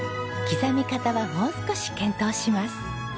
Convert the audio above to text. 刻み方はもう少し検討します。